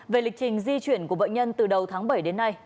về lịch trình di chuyển của bệnh nhân từ đầu tháng bảy đến nay